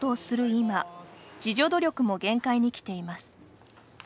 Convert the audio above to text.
今自助努力も限界に来ています。